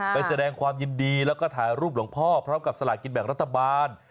แสดงความยินดีแล้วก็ถ่ายรูปหลวงพ่อพร้อมกับสลากินแบ่งรัฐบาล